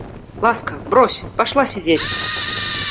Ласка, брось, пошла сидеть!